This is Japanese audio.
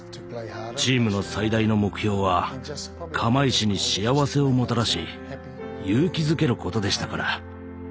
チームの最大の目標は釜石に幸せをもたらし勇気づけることでしたから。